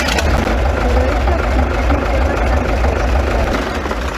Pero este optimismo fue bastante precipitado.